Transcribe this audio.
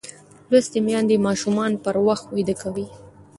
لوستې میندې ماشومان پر وخت ویده کوي.